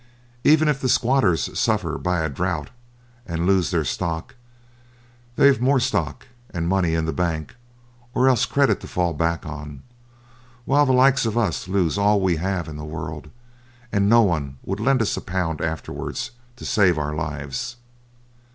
Even if the squatters suffer by a drought and lose their stock, they've more stock and money in the bank, or else credit to fall back on; while the like of us lose all we have in the world, and no one would lend us a pound afterwards to save our lives.'